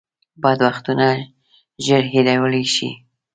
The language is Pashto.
بد وختونه ژر هېرولی شئ .